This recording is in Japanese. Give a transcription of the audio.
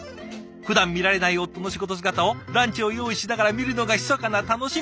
ふだん見られない夫の仕事姿をランチを用意しながら見るのがひそかな楽しみなんですって。